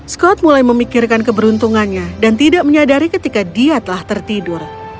scott mulai memikirkan keberuntungannya dan tidak menyadari ketika dia telah tertidur